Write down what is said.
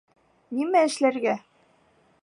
— Нимә эшләргә?